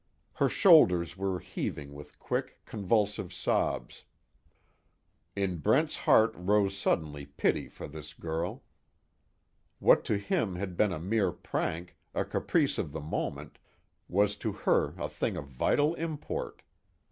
Her shoulders were heaving with quick, convulsive sobs. In Brent's heart rose sudden pity for this girl. What to him had been a mere prank, a caprice of the moment, was to her a thing of vital import.